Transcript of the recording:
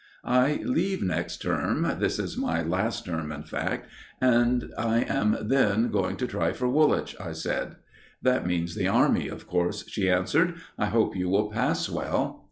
"I leave next term this is my last term, in fact and I am then going to try for Woolwich," I said. "That means the Army, of course," she answered. "I hope you will pass well."